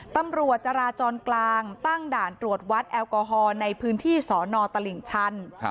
ตรวจวัดแอลกอฮอล์ในพื้นที่สนตลิ่งชัน